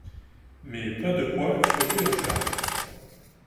mais pas de quoi fouetter un chat.